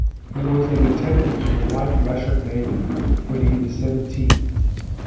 He was a Lieutenant in the White Russian Navy when he was seventeen.